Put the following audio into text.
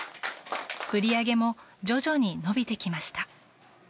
売り上げも徐々に伸びてきました。